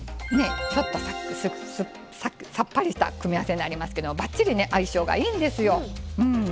ちょっとさっぱりした組み合わせになりますけどばっちりね相性がいいんですよ。